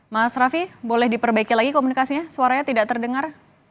mas raffi boleh diperbaiki lagi komunikasinya suaranya tidak terdengar